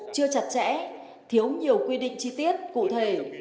chưa chặt chẽ thiếu nhiều quy định chi tiết cụ thể